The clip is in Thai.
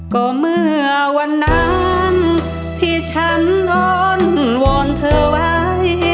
ก็เมื่อวันนั้นที่ฉันนอนวอนเธอไว้